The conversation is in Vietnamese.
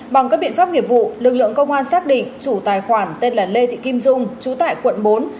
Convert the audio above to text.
bằng các biện pháp nghiệp vụ lực lượng công an xác định chủ tài khoản tên là lê thị kim dung trú tại quận bốn